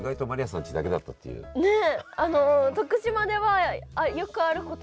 ねえ。